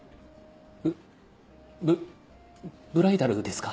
ブブブライダルですか？